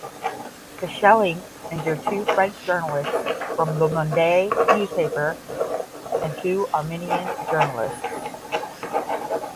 The shelling injured two French journalists from "Le Monde" newspaper and two Armenian journalists.